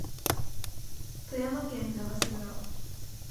富山県舟橋村